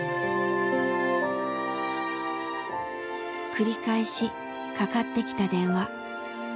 繰り返しかかってきた電話。